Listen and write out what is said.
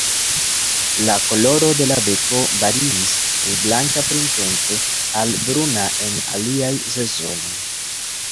La koloro de la beko variis el blanka printempe al bruna en aliaj sezonoj.